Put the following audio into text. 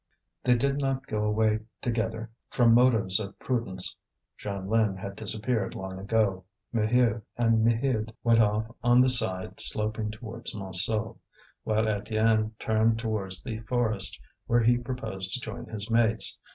They did not go away together, from motives of prudence. Jeanlin had disappeared long ago. Maheu and Maheude went off on the side sloping towards Montsou; while Étienne turned towards the forest, where he proposed to join his mates.